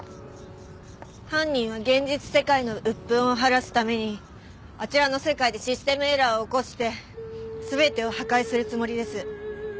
犯人は現実世界の鬱憤を晴らすためにあちらの世界でシステムエラーを起こして全てを破壊するつもりです。